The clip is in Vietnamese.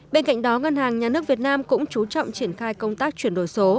bên cạnh đó ngân hàng nhà nước việt nam cũng chú trọng triển khai công tác chuyển đổi số